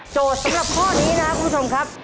สำหรับข้อนี้นะครับคุณผู้ชมครับ